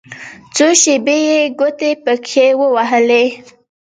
څو شېبې يې ګوتې پکښې ووهلې.